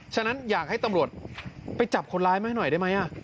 ฉะนั้นอยากให้ตำรวจไปจับคนร้ายมาให้หน่อยได้ไหม